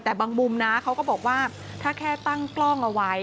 แต่บางมุมนะเขาก็บอกว่าถ้าแค่ตั้งกล้องเอาไว้